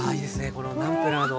このナムプラーの。